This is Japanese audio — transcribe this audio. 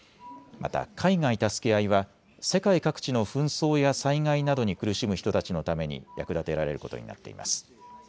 また海外たすけあいは世界各地の紛争や災害などに苦しむ人たちのために役立てられることになっています。